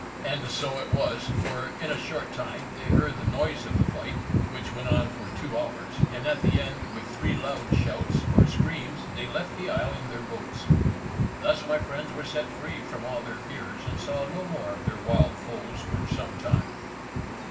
And so it was, for in a short time they heard the noise of the fight, which went on for two hours, and at the end, with three loud shouts or screams, they left the isle in their boats. Thus my friends were set free from all their fears, and saw no more of their wild foes for some time.